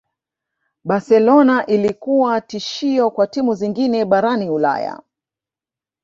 Barcelona ilikuwa tishio kwa timu zingine barani ulaya